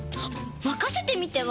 まかせてみては？